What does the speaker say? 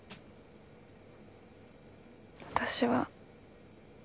私は。